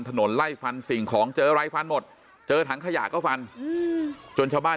ไล่ฟันสิ่งของเจออะไรฟันหมดเจอถังขยะก็ฟันจนชาวบ้าน